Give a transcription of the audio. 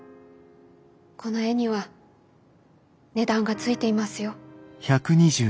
この絵には値段がついていますよ。